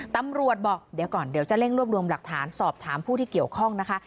ตำรวจบอกเดี๋ยวก่อนเดี๋ยวจะเร่งรวบรวมหลักฐานสอบถามผู้ที่เกี่ยวข้องนะคะ